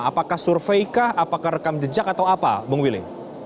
apakah survei kah apakah rekam jejak atau apa bung willy